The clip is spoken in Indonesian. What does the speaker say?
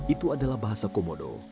itu adalah bahasa komodo